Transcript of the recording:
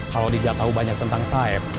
kalo liza tau banyak tentang saeb